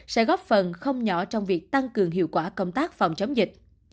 sẽ góp phần không nhỏ trong việc tăng cường hiệu quả công tác phòng chống dịch